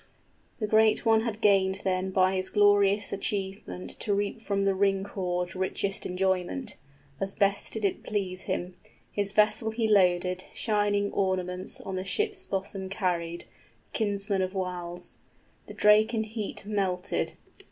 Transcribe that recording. The great one had gained then by his glorious achievement To reap from the ring hoard richest enjoyment, As best it did please him: his vessel he loaded, Shining ornaments on the ship's bosom carried, 60 Kinsman of Wæls: the drake in heat melted. {Sigemund was widely famed.